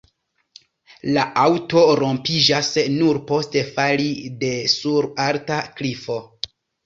La aŭto rompiĝas nur post fali de sur alta klifo.